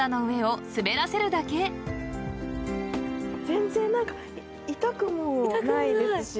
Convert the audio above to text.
全然痛くもないですし。